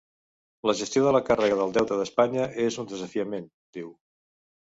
La gestió de la càrrega del deute d’Espanya és un desafiament, diu.